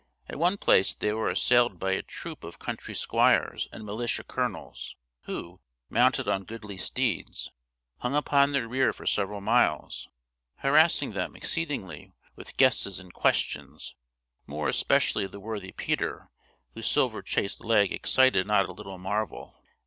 At one place they were assailed by a troop of country squires and militia colonels, who, mounted on goodly steeds, hung upon their rear for several miles, harassing them exceedingly with guesses and questions, more especially the worthy Peter, whose silver chased leg excited not a little marvel.